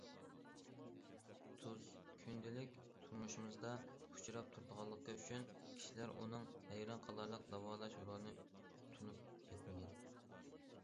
تۇز كۈندىلىك تۇرمۇشىمىزدا ئۇچراپ تۇرغانلىقى ئۈچۈن كىشىلەر ئۇنىڭ ھەيران قالارلىق داۋالاش رولىنى تونۇپ يەتمىگەن.